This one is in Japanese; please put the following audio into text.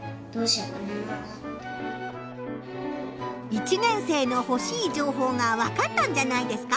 １年生のほしい情報がわかったんじゃないですか？